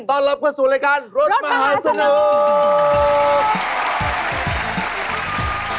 ต้อนรับเข้าสู่รายการรถมหาสนุก